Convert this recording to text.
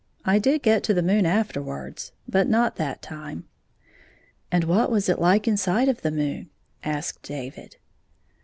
I did get to the moon afterwards, but not that time." " And what was it Uke inside of the moon 1 " asked David.